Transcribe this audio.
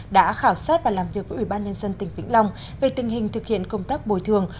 đã khảo sát và làm việc với ủy ban nhân dân tỉnh vĩnh long về tình hình thực hiện công tác bồi thường